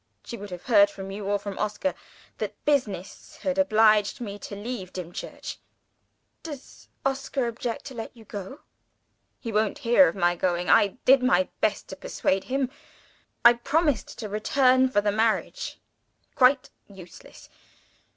She would have heard from you, or from Oscar, that business had obliged me to leave Dimchurch." "Does Oscar object to let you go?" "He won't hear of my going. I did my best to persuade him I promised to return for the marriage. Quite useless!